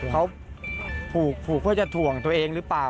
เขาผูกเพื่อจะถ่วงตัวเองหรือเปล่า